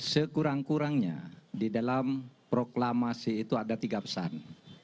sekurang kurangnya di dalam proklamasi itu ada tiga pesan